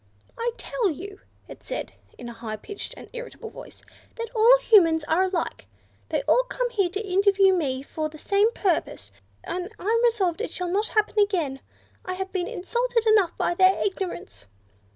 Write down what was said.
"I tell you," it said in a high pitched and irritable voice, "that all Humans are alike! They all come here to interview me for the same purpose, and I'm resolved it shall not happen again; I have been insulted enough by their ignorance."